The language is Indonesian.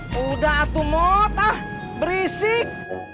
sudah aku mau pak berisik